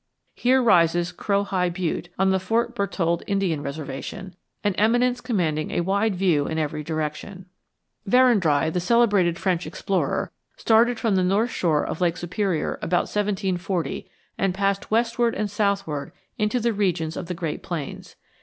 Here rises Crowhigh Butte, on the Fort Berthold Indian Reservation, an eminence commanding a wide view in every direction. Verendrye, the celebrated French explorer, started from the north shore of Lake Superior about 1740 and passed westward and southward into the regions of the great plains.